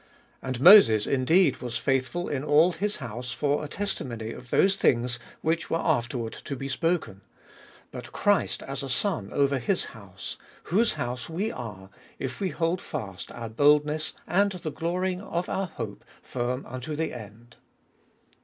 5. And Moses indeed was faithful in all his house, for a testimony of those things which were afterward to be spoken : 6. But Christ as a Son, over his house ; whose house are we, if we hold fast our boldness and the glorying of our hope firm unto the end.